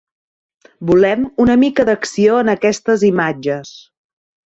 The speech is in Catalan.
Volem una mica d'acció en aquestes imatges.